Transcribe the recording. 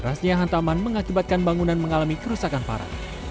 kerasnya hantaman mengakibatkan bangunan mengalami kerusakan parah